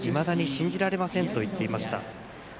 いまだに信じられませんと言っていました。